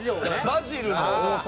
バジルの王様。